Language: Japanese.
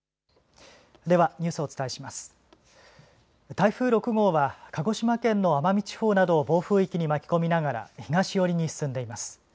台風６号は鹿児島県の奄美地方などを暴風域に巻き込みながら東寄りに進んでいます。